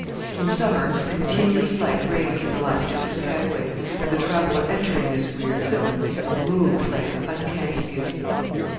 In summer continuous light reigns in the latitude of Skagway, and the traveller entering this weird zone is moved by its uncanny beauty.